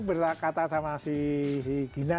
berkata sama si gina